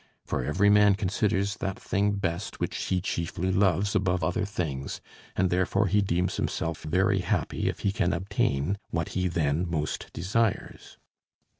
For every man considers that thing best which he chiefly loves above other things, and therefore he deems himself very happy if he can obtain what he then most desires.